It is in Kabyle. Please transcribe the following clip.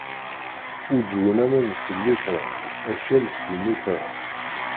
Uǧǧwen aman s llitra, akal s lmitra.